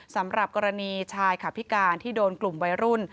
สำหรับกรณีชายขาพิการที่โดนกลุ่มวัยรุ่น